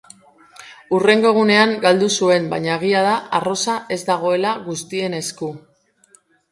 Hurrengo egunean galdu zuen, baina egia da arrosa ez dagoela guztien esku.